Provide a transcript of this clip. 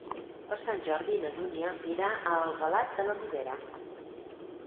Per Sant Jordi na Dúnia irà a Albalat de la Ribera.